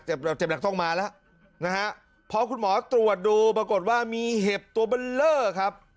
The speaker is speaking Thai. เจ็บหนักต้องมาแล้วนะฮะพอคุณหมอตรวจดูปรากฏว่ามีเห็บตัวเบลเลอร์ครับ